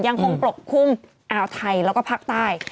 ยังคงปลกคุมไทยแล้วก็ภาคใต้